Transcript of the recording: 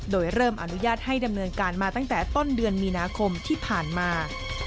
โดยเริ่มอนุญาตให้ดำเนินการมาตั้งแต่ต้นเดือนมีนาคมที่ผ่านมา